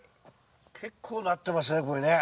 結構なってますねこれね。